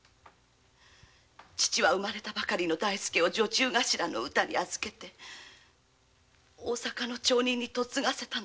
父は生まれたばかりの大助を女中頭の「うた」に預けて大阪の町人に嫁がせました。